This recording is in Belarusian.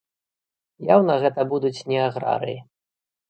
Яўна гэта будуць не аграрыі.